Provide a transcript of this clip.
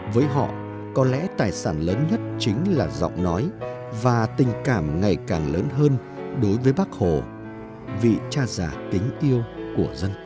với họ có lẽ tài sản lớn nhất chính là giọng nói và tình cảm ngày càng lớn hơn đối với bác hồ vị cha già kính yêu của dân tộc